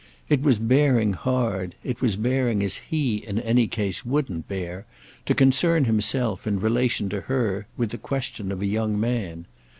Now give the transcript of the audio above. It was bearing hard, it was bearing as he, in any case, wouldn't bear, to concern himself, in relation to her, with the question of a young man.